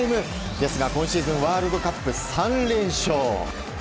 ですが今シーズンワールドカップ３連勝。